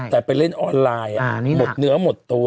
แต่ไปเล่นออนไลน์หมดเนื้อหมดตัว